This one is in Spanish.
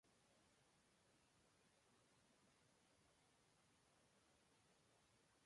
Sus ojos y patas son negros o de color gris oscuro.